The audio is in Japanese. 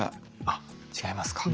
あっ違いますか？